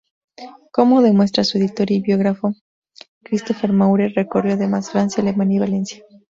Como demuestra su editor y biógrafo Christopher Maurer, recorrió además Francia, Alemania y Valencia.